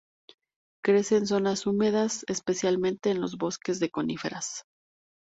Crece en zonas húmedas, especialmente en los bosques de coníferas.